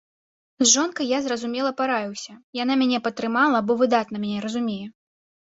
З жонкай я, зразумела, параіўся, яна мяне падтрымала, бо выдатна мяне разумее.